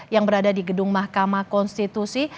yang berada di gedung mahkamah konstitusi